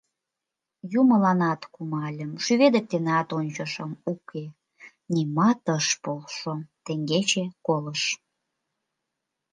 Юмыланат кумальым, шӱведыктенат ончышым — уке, ни-мат ыш полшо: теҥгече колыш.